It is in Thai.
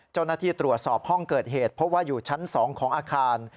เจ้าหน้าที่ตรวจสอบห้องเกิดเหตุเพราะว่าอยู่ชั้น๒ของอาคาร